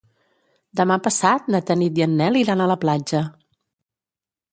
Demà passat na Tanit i en Nel iran a la platja.